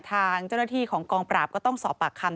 ทางเจ้าหน้าที่ของกองปราบก็ต้องสอบปากคำ